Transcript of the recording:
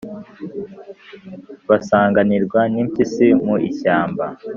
basanganirwa n’impyisimu ishyamba